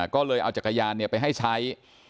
ก็เลยเอาจักรยานไปให้ใช้